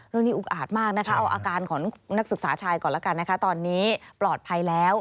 รุ่นนี้อุ๊กอาดมากนะคะอาการของนักศึกษาชายก่อนละกันนะคะตอนนี้ปลอดภัยแล้ว